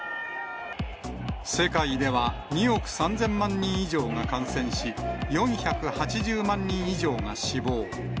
世界では２億３０００万人以上が感染し、４８０万人以上が死亡。